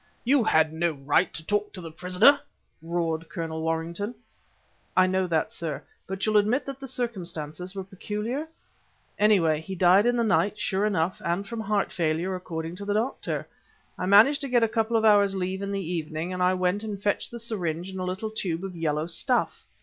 "You had no right to talk to the prisoner!" roared Colonel Warrington. "I know that, sir, but you'll admit that the circumstances were peculiar. Anyway, he died in the night, sure enough, and from heart failure, according to the doctor. I managed to get a couple of hours leave in the evening, and I went and fetched the syringe and a little tube of yellow stuff."